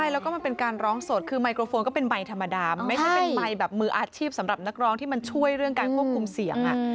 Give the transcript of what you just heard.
แล้วก็มันเป็นการร้องสดคือไมโครโฟนก็เป็นไมค์ธรรมดามันไม่ใช่เป็นใบแบบมืออาชีพสำหรับนักร้องที่มันช่วยเรื่องการควบคุมเสียง